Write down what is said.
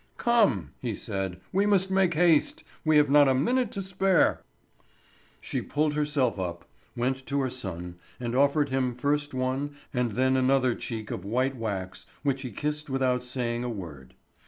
"Come," he said, "we must make haste, we have not a minute to spare." She pulled herself up, went to her son and offered him first one and then another cheek of white wax which he kissed without saying a word.